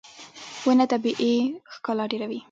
• ونه طبیعي ښکلا ډېروي.